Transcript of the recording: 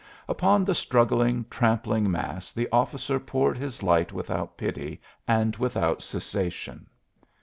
Upon the struggling, trampling mass the officer poured his light without pity and without cessation.